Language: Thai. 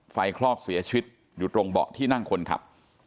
คลอกเสียชีวิตอยู่ตรงเบาะที่นั่งคนขับ